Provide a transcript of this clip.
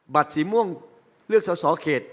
บัตรสีม่วงเลือกเสาเขต